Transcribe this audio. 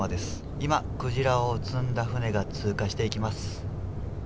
今、鯨を積んだ船が通過していきます。